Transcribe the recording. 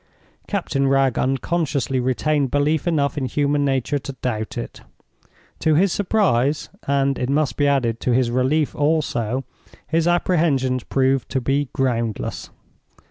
Captain Wragge unconsciously retained belief enough in human nature to doubt it. To his surprise, and, it must be added, to his relief, also, his apprehensions proved to be groundless.